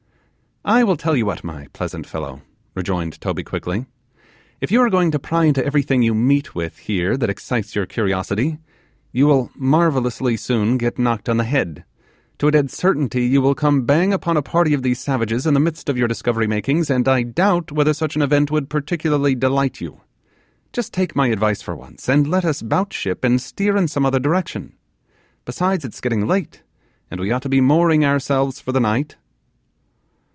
'I will tell you what, my pleasant fellow,' rejoined Toby quickly, 'if you are going to pry into everything you meet with here that excites your curiosity, you will marvellously soon get knocked on the head; to a dead certainty you will come bang upon a party of these savages in the midst of your discovery makings, and I doubt whether such an event would particularly delight you, just take my advice for once, and let us 'bout ship and steer in some other direction; besides, it's getting late and we ought to be mooring ourselves for the night.